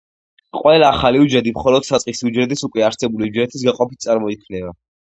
ყველა ახალი უჯრედი მხოლოდ საწყისი უჯრედის უკვე არსებული უჯრედის გაყოფით წარმოიქმნება.